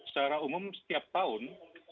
secara umum setiap tahun